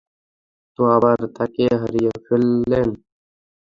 তো আবার তাকে হারিয়ে ফেললেন?